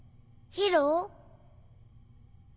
宙？